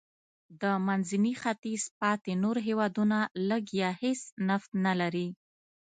د منځني ختیځ پاتې نور هېوادونه لږ یا هېڅ نفت نه لري.